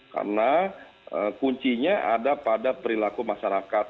karena kuncinya ada pada perilaku masyarakat